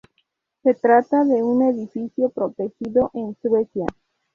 Se trata de un edificio protegido en Suecia.